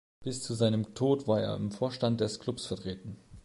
Bis zu seinem Tod war er im Vorstand des Klubs vertreten.